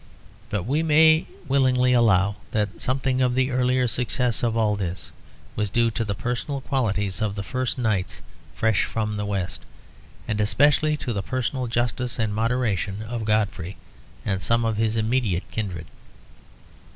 But we may willingly allow that something of the earlier success of all this was due to the personal qualities of the first knights fresh from the West; and especially to the personal justice and moderation of Godfrey and some of his immediate kindred.